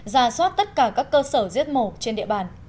ra soát tất cả các cơ sở giết mổ trên địa bàn